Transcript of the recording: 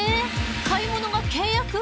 買い物が契約？